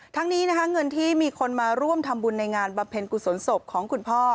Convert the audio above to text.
ทั้งนี้นะคะเงินที่มีคนมาร่วมทำบุญในงานบำเพ็ญกุศลศพของคุณพ่อ